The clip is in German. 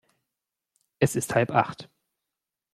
Es ist halb acht.